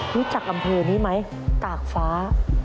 รู้จักอำเภอนี้ไหมตากฟ้า